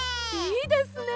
いいですね。